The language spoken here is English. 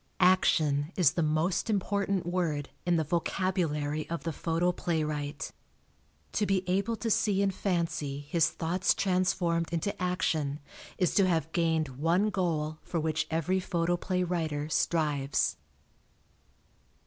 Action is the most important word in the vocabulary of the photoplaywright. To be able to see in fancy his thoughts transformed into action is to have gained one goal for which every photoplay writer strives.